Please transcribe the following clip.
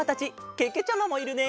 けけちゃまもいるね！